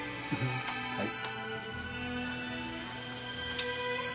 はい。